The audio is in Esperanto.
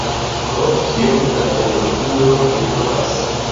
Ho, kiom da energio mi havas?